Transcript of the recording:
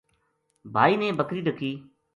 بھائی نے بکری ڈکی